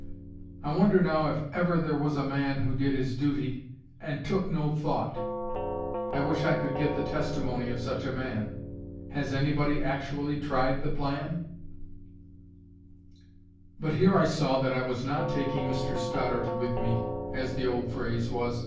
I wonder now if ever there was a man who did his duty, and TOOK NO THOUGHT. I wish I could get the testimony of such a man. Has anybody actually tried the plan?" But here I saw that I was not taking Mr Stoddart with me (as the old phrase was).